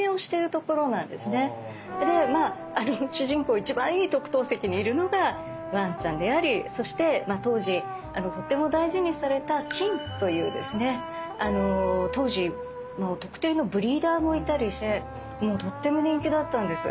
で主人公一番いい特等席にいるのがわんちゃんでありそして当時とっても大事にされた「狆」というですね当時特定のブリーダーもいたりしてもうとっても人気だったんです。